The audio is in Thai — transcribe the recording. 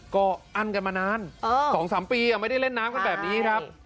ก็อั้นกันมานาน๒๓ปีไม่ได้เล่นน้ำกันแบบนี้ครับ